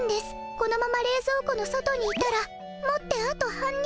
このままれいぞう庫の外にいたらもってあと半日。